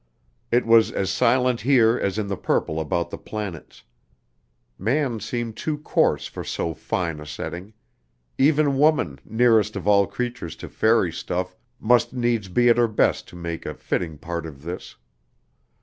It was as silent here as in the purple about the planets. Man seemed too coarse for so fine a setting. Even woman, nearest of all creatures to fairy stuff, must needs be at her best to make a fitting part of this.